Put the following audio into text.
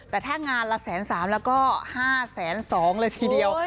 แต่ถ้างานละแสน๓แล้วก็๕แสน๒เลยทีเดียว